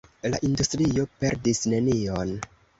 La industrio perdis nenion.